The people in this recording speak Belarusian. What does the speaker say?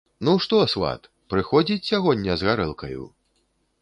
Ну, што, сват, прыходзіць сягоння з гарэлкаю?